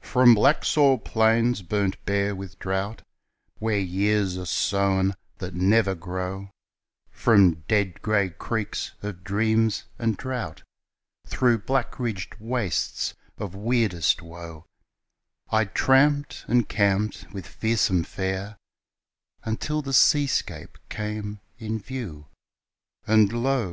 From blacksoil plains burned bare with drought Where years are sown that never grow, From dead grey creeks of dreams and drought, Through black ridged wastes of weirdest woe, I tramped and camped with fearsome fare Until the sea scape came in view, And lo!